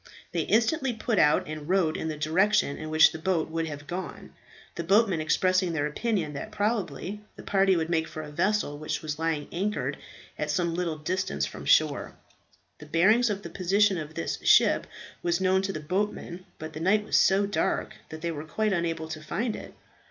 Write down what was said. They instantly put out, and rowed in the direction in which the boat would have gone, the boatmen expressing their opinion that probably the party would make for a vessel which was lying anchored at some little distance from shore. The bearings of the position of this ship was known to the boatmen, but the night was so dark that they were quite unable to find it.